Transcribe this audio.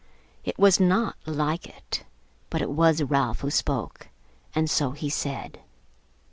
It was not like it; but it was Ralph who spoke, and so he said.